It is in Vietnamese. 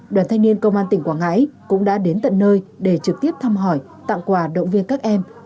đoàn thanh niên công an tỉnh quảng ngãi cũng đã đến tận nơi để trực tiếp thăm hỏi tặng quà động viên các em